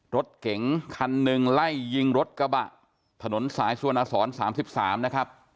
รถเก๋งคันหนึ่งไล่ยิงรถกระบะถนนสายสวนอสร๓๓นะครับ